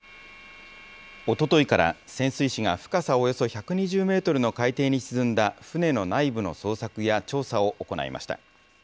おとといから潜水士が、深さおよそ１２０メートルの海底に沈んだ船の内部の捜索や調査を行いました。